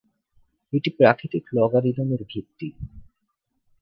এটি প্রাকৃতিক লগারিদমের ভিত্তি।